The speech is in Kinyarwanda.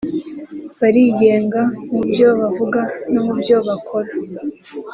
Barigenga mu byo bavuga no mu byo bakora